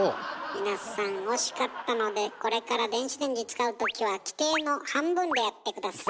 皆さん惜しかったのでこれから電子レンジ使う時は規定の半分でやって下さい。